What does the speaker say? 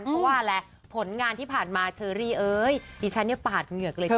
เพราะว่าอะไรผลงานที่ผ่านมาเชอรี่เอ้ยดิฉันเนี่ยปาดเหงือกเลยค่ะ